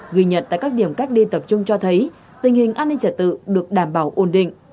ghi nhận tại các điểm cách ly tập trung cho thấy tình hình an ninh trả tự được đảm bảo ổn định